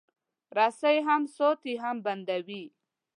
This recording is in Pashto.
رسۍ هم ساتي، هم بندوي.